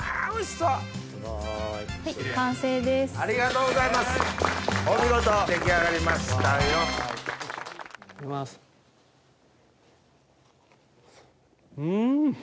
うん！